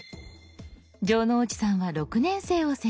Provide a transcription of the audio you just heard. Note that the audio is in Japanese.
城之内さんは６年生を選択。